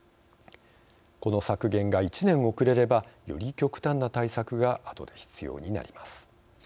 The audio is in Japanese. この削減が１年遅れればより極端な対策が後で必要になります。